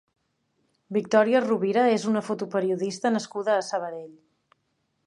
Victòria Rovira és una fotoperiodista nascuda a Sabadell.